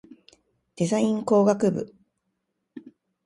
デザイン工学部